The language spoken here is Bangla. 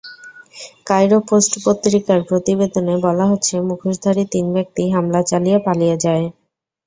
কায়রো পোস্ট পত্রিকার প্রতিবেদনে বলা হচ্ছে, মুখোশধারী তিন ব্যক্তি হামলা চালিয়ে পালিয়ে যায়।